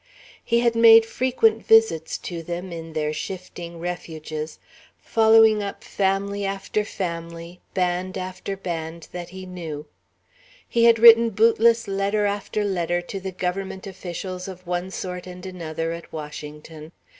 He had made frequent visits to them in their shifting refuges, following up family after family, band after band, that he knew; he had written bootless letter after letter to the Government officials of one sort and another, at Washington.